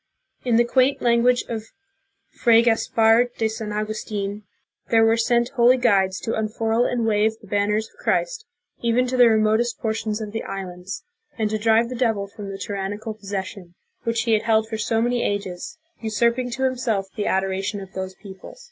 In the quaint language of Fray Gaspar de San Augustln, there were sent "holy guides to unfurl and wave the banners of Christ, even to the remotest portions of the islands, and to drive the devil from the tyrannical pos session, which he had held for so many ages, usurping to himself the adoration of those peoples."